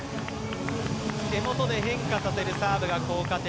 手元で変化させるサーブが効果的。